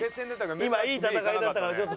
今いい戦いだったからちょっと。